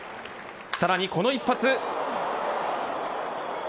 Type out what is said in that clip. さらにこの一発。